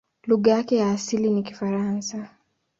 Lugha yake ya asili ni Kifaransa.